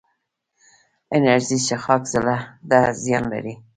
انرژي څښاک زړه ته زیان لري